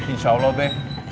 insya allah be